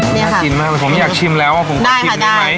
น่าดิมมากผมอยากชิมแล้วใกล้แต่ว่าผมก็ชิมได้ไหม